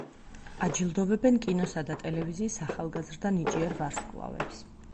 აჯილდოვებენ კინოსა და ტელევიზიის ახალგაზრდა ნიჭიერ ვარსკვლავებს.